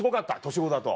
年子だと。